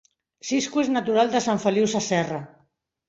Cisco és natural de Sant Feliu Sasserra